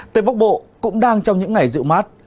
tây bắc bộ cũng đang trong những ngày dịu mát